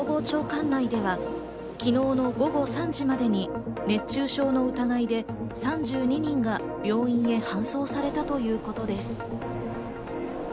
管内では昨日の午後３時までに熱中症の疑いで３２人が病院へ搬送されたということです。